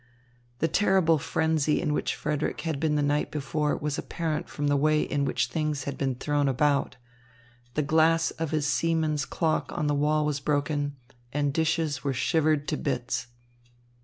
The terrible frenzy in which Frederick had been the night before was apparent from the way in which things had been thrown about. The glass of his seaman's clock on the wall was broken, and dishes were shivered to bits.